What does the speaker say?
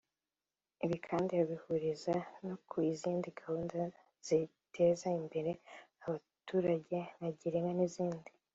Ibi kandi abihuriza no ku zindi gahunda ziteza imbere abaturage nka Girinka n’izindi